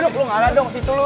duduk lu ngalah dong situ lu